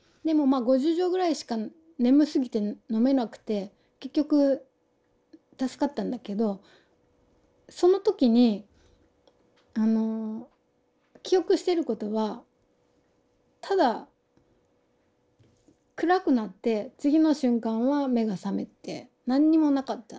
でも５０錠ぐらいしか眠すぎて飲めなくて結局助かったんだけどその時に記憶してることはただ暗くなって次の瞬間は目が覚めて何にもなかった。